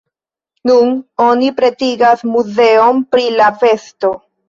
Nun oni pretigas muzeon pri la festo.